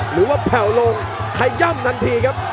หรือว่าแผ่วลงขย่ำทันทีครับ